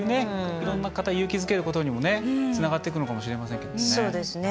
いろんな方勇気づけることにもねつながっていくのかもしれませんけれどもね。